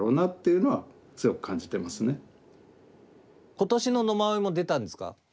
今年の野馬追も出たんですか？